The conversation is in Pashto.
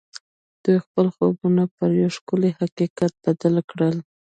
دوی خپل خوبونه پر یو ښکلي حقیقت بدل کړل